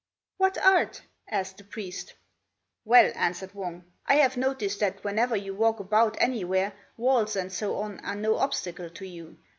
"What art?" asked the priest. "Well," answered Wang, "I have noticed that whenever you walk about anywhere, walls and so on are no obstacle to you.